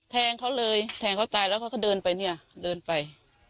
แทงเขาเลยแทงเขาตายแล้วเขาก็เดินไปเนี่ยเดินไป